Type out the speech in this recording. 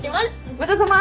ごちそうさま。